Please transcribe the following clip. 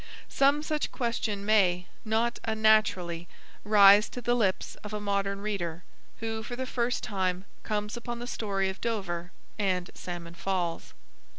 Some such question may, not unnaturally, rise to the lips of a modern reader who for the first time comes upon the story of Dover and Salmon Falls.